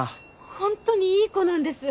ほんとにいい子なんです！